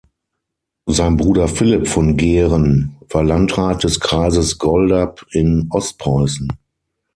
Sein Bruder Philipp von Gehren war Landrat des Kreises Goldap in Ostpreußen.